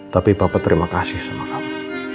tapi papa terima kasih sama kamu